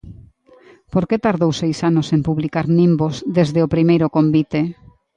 Por que tardou seis anos en publicar Nimbos desde o primeiro convite?